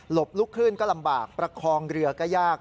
ลุกขึ้นก็ลำบากประคองเรือก็ยาก